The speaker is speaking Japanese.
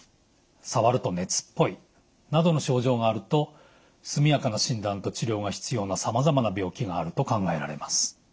触ると熱っぽいなどの症状があると速やかな診断と治療が必要なさまざまな病気があると考えられます。